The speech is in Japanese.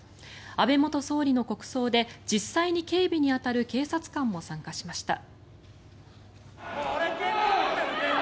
安倍元総理の国葬で実際に警備に当たる警察官も参加しました。